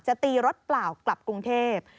ตีรถเปล่ากลับกรุงเทพ